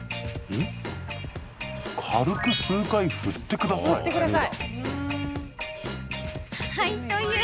軽く数回振ってください。